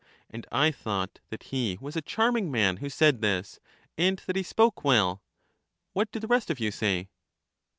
And I thought that he was a charming man who said this, and that he spoke well. What do the rest of you say?